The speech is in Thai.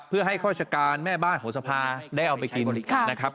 เพื่อให้ข้าราชการแม่บ้านของสภาได้เอาไปกินนะครับ